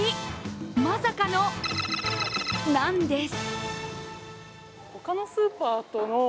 まさかの○○なんです。